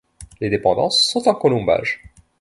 Les dépendances sont en colombages.